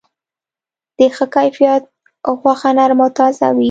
د ښه کیفیت غوښه نرم او تازه وي.